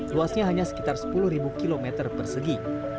luasnya hanya sekitar sepuluh km persegi